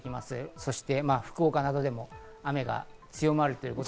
そして福岡などでも雨が強まる。